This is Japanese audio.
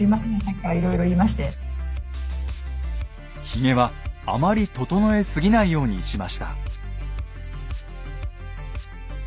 ひげはあまり整えすぎないようにしました。